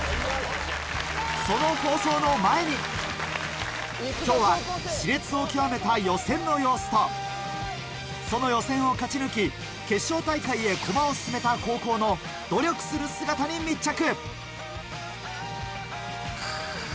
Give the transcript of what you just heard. その放送の前に今日は熾烈を極めた予選の様子とその予選を勝ち抜き決勝大会へ駒を進めた高校の努力する姿に密着